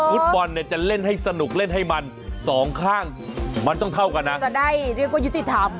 ฟุตบอลเนี่ยจะเล่นให้สนุกเล่นให้มันสองข้างมันต้องเท่ากันนะจะได้เรียกว่ายุติธรรม